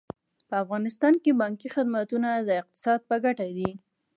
په افغانستان کې بانکي خدمتونه د اقتصاد په ګټه دي.